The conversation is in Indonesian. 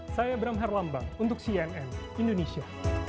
saya bram herlambang untuk cnn indonesia